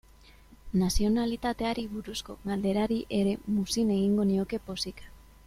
Nazionalitateari buruzko galderari ere muzin egingo nioke pozik.